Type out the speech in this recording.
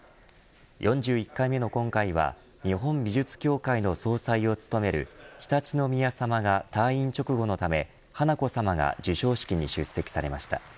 ４１回目の今回は日本美術協会の総裁を務める常陸宮さまが退院直後のため華子さまが授賞式に出席されました。